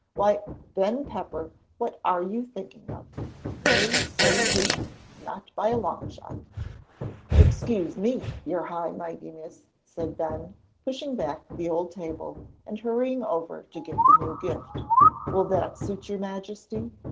Why, Ben Pepper, what are you thinking of? No sir ee! Not by a long shot!" "Excuse me, your high mightiness," said Ben, pushing back the old table and hurrying over to get the new gift. "Will that suit your Majesty?"